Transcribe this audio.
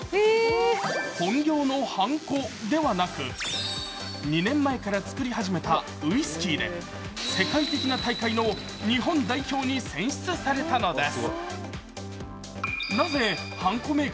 本業のはんこではなく２年前から作り始めたウイスキーで世界的な大会の日本代表に選出されたのです。